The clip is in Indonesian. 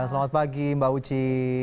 selamat pagi mbak uci